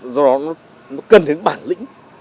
do đó nó cần đến bản lĩnh